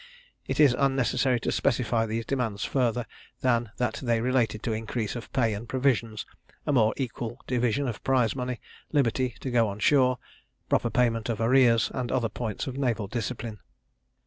It is unnecessary to specify these demands further, than that they related to increase of pay and provisions, a more equal division of prize money, liberty to go on shore, proper payment of arrears, and other points of naval discipline.